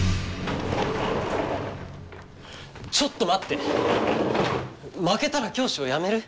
ちょっと待って負けたら教師をやめる？